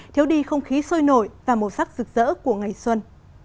thiếu đi không khí sôi nổi và màu sắc rực rỡ của ngày xuân